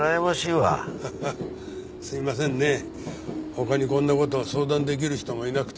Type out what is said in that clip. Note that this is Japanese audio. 他にこんな事を相談出来る人もいなくて。